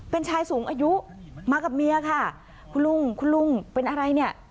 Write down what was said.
เป็นชายสูงอายุมากับเมียค่ะคุณลุงคุณลุงเป็นอะไรเนี่ย